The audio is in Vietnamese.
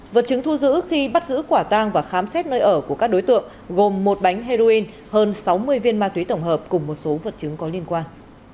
vật chứng thu giữ khi bắt giữ quả tang và khám xét nơi ở của các đối tượng gồm một bánh heroin hơn sáu mươi viên ma túy tổng hợp cùng một số vật chứng có liên quan